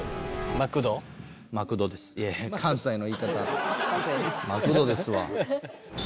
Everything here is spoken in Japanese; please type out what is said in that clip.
マクドですわ。